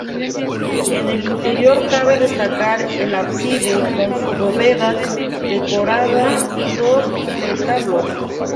En el interior cabe destacar el ábside con su bóveda decorada y dos retablos.